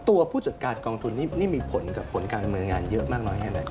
ผู้จัดการกองทุนนี่มีผลกับผลการดำเนินงานเยอะมากน้อยแค่ไหน